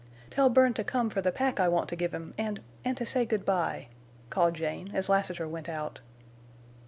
"Tell Bern to come for the pack I want to give him—and—and to say good by," called Jane, as Lassiter went out.